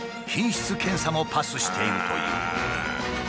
品質検査もパスしているという。